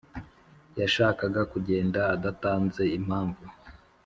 Yashakaga kugenda adatanze impamvu